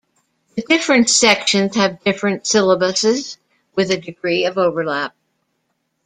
The different sections have different syllabuses with a degree of overlap.